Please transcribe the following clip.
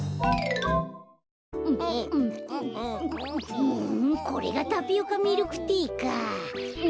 ふんこれがタピオカミルクティーか。